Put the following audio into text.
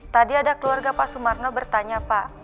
tadi ada keluarga pak sumarno bertanya pak